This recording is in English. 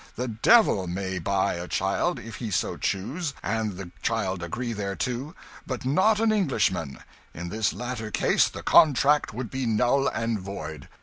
The Devil may buy a child, if he so choose, and the child agree thereto, but not an Englishman in this latter case the contract would be null and void."